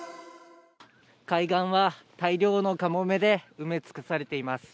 海岸は大量のカモメで埋め尽くされています。